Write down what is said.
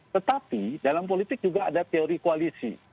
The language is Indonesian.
tetapi dalam politik juga ada teori koalisi